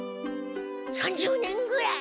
３０年ぐらい。